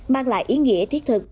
mang lại ý nghĩa thiết thực